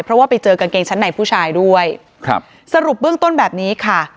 เพราะว่าไปเจอกางเกงชั้นในผู้ชายด้วยครับสรุปเบื้องต้นแบบนี้ค่ะ